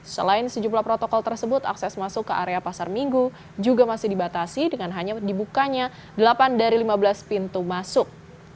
selain sejumlah protokol tersebut akses masuk ke area pasar minggu juga masih dibatasi dengan hanya dibukanya delapan dari lima belas pintu masuk